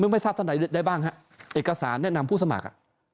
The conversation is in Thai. ไม่ค่าตอนไหนได้บ้างค่ะเอกสารแนะนำผู้สมัคร